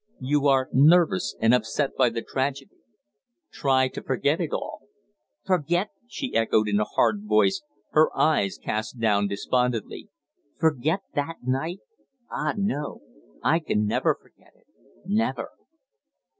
"You are nervous, and upset by the tragedy. Try to forget it all." "Forget!" she echoed in a hard voice, her eyes cast down despondently. "Forget that night! Ah, no, I can never forget it never!"